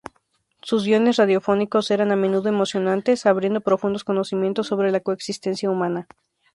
Sus guiones radiofónicos eran a menudo emocionantes, abriendo profundos conocimientos sobre la coexistencia humana.